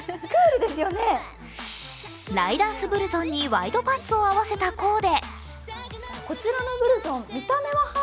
ライダースブルゾンにワイドパンツを合わせたコーデ。